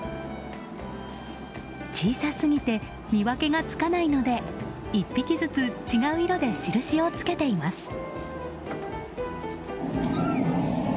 小さすぎて見分けがつかないので１匹ずつ違う色で印をつけています。